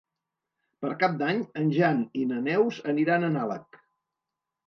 Per Cap d'Any en Jan i na Neus aniran a Nalec.